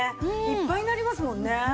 いっぱいになりますもんね。